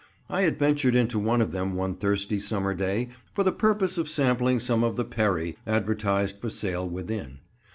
I adventured into one of them one thirsty summer day, for the purpose of sampling some of the "perry" advertised for sale within.